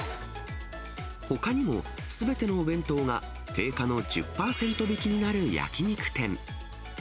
ほかにも、すべてのお弁当が定価の１０％引きになる焼き肉店。